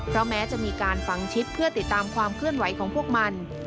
แม้จะมีการฝังชิปเพื่อติดตามความเคลื่อนไหวของพวกมัน